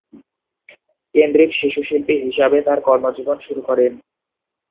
কেন্দ্রিক শিশুশিল্পী হিসাবে তার কর্মজীবন শুরু করেন।